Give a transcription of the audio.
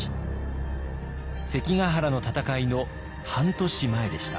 関ヶ原の戦いの半年前でした。